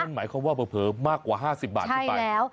หมายความว่าเผลอมากกว่า๕๐บาทขึ้นไป